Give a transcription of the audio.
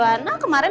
gak apa apa sih